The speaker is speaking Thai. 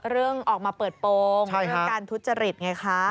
เรื่องออกมาเปิดโปรงเรื่องการทุจริตไงคะใช่ครับ